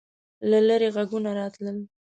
له لیرې غږونه راتلل.